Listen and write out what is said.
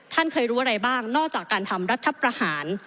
ท่านเคยรู้อะไรบ้างนอกจากการทำรัฐประหาร